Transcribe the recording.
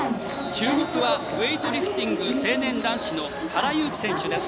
注目はウエイトリフティング成年男子の原勇輝選手です。